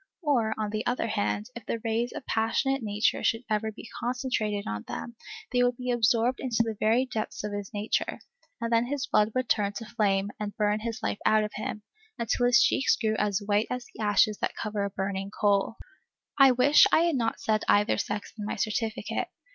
Or, on the other hand, if the rays of a passionate nature should ever be concentrated on them, they would be absorbed into the very depths of his nature, and then his blood would turn to flame and burn his life out of him, until his cheeks grew as white as the ashes that cover a burning coal. I wish I had not said either sex in my certificate.